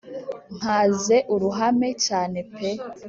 nkaze uruhame cyane pe